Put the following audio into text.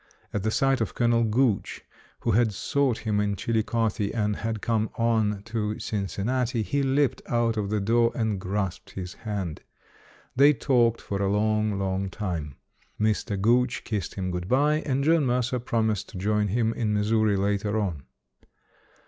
At the sight of Colonel Gooch, who had sought him in Chillicothe and had come on to Cincinnati, he leaped out of the door and grasped his hand. They talked for a long, long time. Mr. Gooch kissed him good bye, and John Mercer promised to join him in Missouri later on.